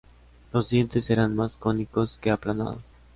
Los dientes eran más cónicos que aplanados.